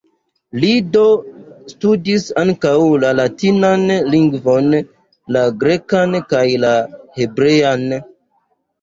Li, do, studis ankaŭ la latinan lingvon, la grekan kaj la hebrean.